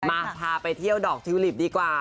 มาพาไปเที่ยวดอกทิวลิปดีกว่า